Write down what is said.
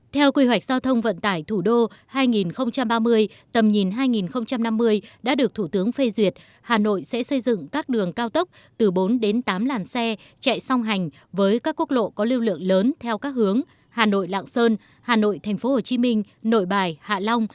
theo quy hoạch giao thông vận tải thủ đô hai nghìn ba mươi tầm nhìn hai nghìn năm mươi đã được thủ tướng phê duyệt hà nội sẽ xây dựng các đường cao tốc từ bốn đến tám làn xe chạy song hành với các quốc lộ có lưu lượng lớn theo các hướng hà nội lạng sơn hà nội tp hcm nội bài hạ long